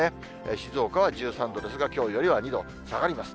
静岡は１３度ですが、きょうよりも２度下がります。